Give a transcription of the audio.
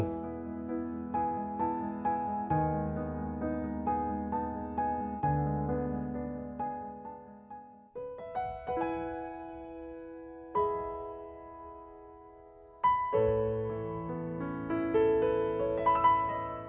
วันนี้